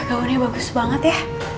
gaunnya bagus banget ya